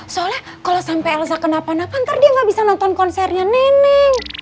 soalnya kalau sampai elsa kena panah nanti dia nggak bisa nonton konsernya neng